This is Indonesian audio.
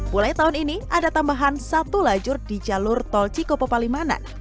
mulai tahun ini ada tambahan satu lajur di jalur tol cikopo palimanan